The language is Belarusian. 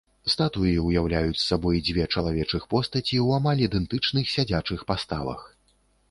Статуі ўяўляюць сабою дзве чалавечых постаці ў амаль ідэнтычных сядзячых паставах.